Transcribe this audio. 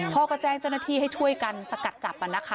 พ่อก็แจ้งเจ้าหน้าที่ให้ช่วยกันสกัดจับนะคะ